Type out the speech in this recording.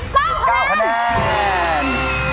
๑๙คะแนน๑๙คะแนน